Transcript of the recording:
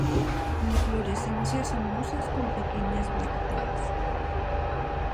Inflorescencias cimosas con pequeñas brácteas.